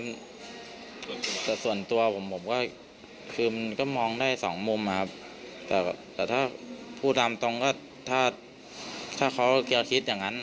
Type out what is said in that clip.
แต่ส่วนตัวผมผมก็คือมันก็มองได้สองมุมครับแต่ถ้าพูดตามตรงก็ถ้าเขาจะคิดอย่างนั้น